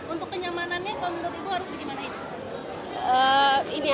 untuk kenyamanannya kalau menurut ibu harus bagaimana ibu